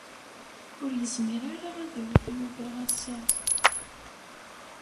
Ur yezmir ara ad d-iruḥ Yuba ass-a.